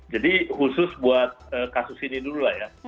jadi khusus buat kasus ini dulu lah ya